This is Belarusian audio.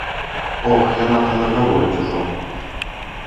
Ох, яна там нагаворыць ужо!